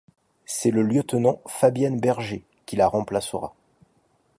C'est le lieutenant Fabienne Berger qui la remplacera.